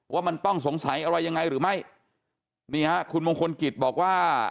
ว่ามันต้องสงสัยอะไรยังไงหรือไม่นี่ฮะคุณมงคลกิจบอกว่า